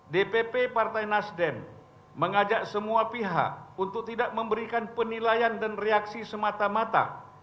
dpp partai nasdem mengajak semua pihak untuk tidak memberikan penilaian dan reaksi semata mata